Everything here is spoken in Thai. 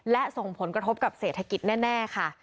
และส่งผลกระทบกับเศรษฐกิจแน่ค่ะ